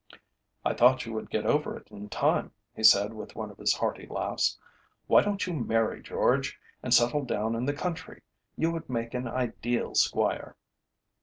"I thought you would get over it in time," he said with one of his hearty laughs. "Why don't you marry, George, and settle down in the country? You would make an ideal Squire."